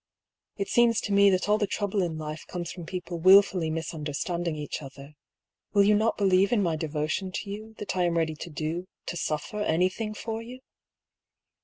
" It seems to me that all the trouble in life comes from people wilfully misunderstanding each other. Will you not believe in my devotion to you, that I am ready to do, to suffer anything for you